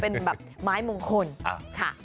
เป็นแบบไม้มงคลค่ะ